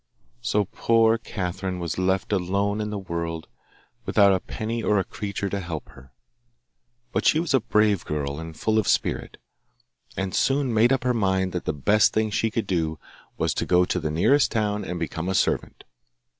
So poor Catherine was left alone in the world without a penny or a creature to help her. But she was a brave girl and full of spirit, and soon made up her mind that the best thing she could do was to go to the nearest town and become a servant.